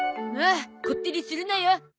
まあこってりするなよ。